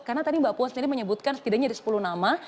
karena tadi mbak puan sendiri menyebutkan setidaknya ada sepuluh nama